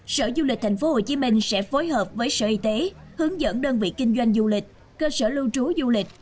sở du lịch tp hcm sẽ phối hợp với sở y tế hướng dẫn đơn vị kinh doanh du lịch cơ sở lưu trú du lịch